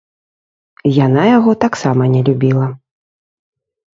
Яна яго таксама не любіла.